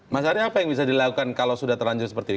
mas ari apa yang bisa dilakukan kalau sudah terlanjur seperti ini